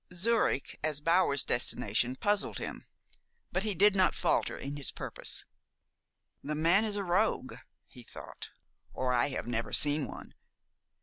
Zurich, as Bower's destination, puzzled him; but he did not falter in his purpose. "The man is a rogue," he thought, "or I have never seen one.